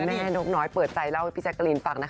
แม่นกน้อยเปิดใจเล่าให้พี่แจ๊กรีนฟังนะคะ